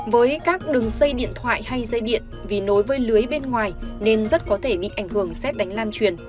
với các đường dây điện thoại hay dây điện vì nối với lưới bên ngoài nên rất có thể bị ảnh hưởng xét đánh lan truyền